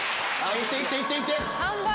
いっていっていっていって！